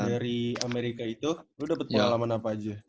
lu dari amerika itu lu dapet pengalaman apa aja